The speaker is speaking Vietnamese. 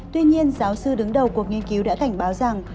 tuy nhiên giáo sư đứng đầu cuộc nghiên cứu đã cảnh báo rằng